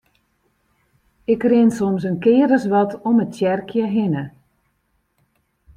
Ik rin soms in kear as wat om it tsjerkje hinne.